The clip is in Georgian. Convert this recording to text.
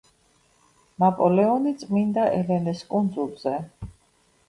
ნაპოლეონი წმ.ელენეს კუნძულზე